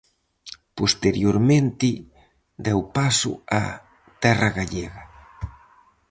Posteriormente deu paso a "Terra gallega".